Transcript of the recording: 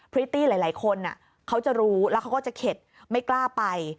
พริตตี้หลายคนเขาจะรู้แล้วเขาก็จะเข็ดไม่กล้าไป